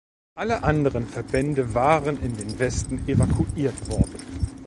Alle anderen Verbände waren in den Westen evakuiert worden.